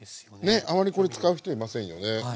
ねあまりこれ使う人いませんよね。